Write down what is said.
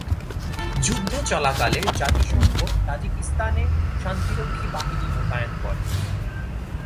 যুদ্ধে চলাকালে জাতিসংঘ তাজিকিস্তানে শান্তিরক্ষী বাহিনী মোতায়েন করে।